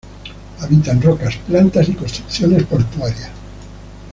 Habita en rocas, plantas y construcciones portuarias.